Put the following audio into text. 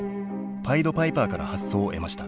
パイドパイパーから発想を得ました。